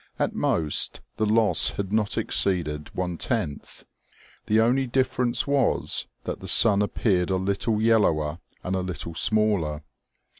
At most, the loss had not exceeded one tenth. The only difference was that the sun appeared a little yellower and a little smaller.